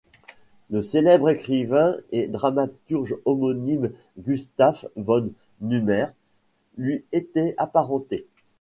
Le célèbre écrivain et dramaturge homonyme Gustaf von Numers lui était apparenté.